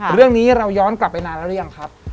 เรื่องนี้เราย้อนกลับไปนานแล้วหรือยังครับ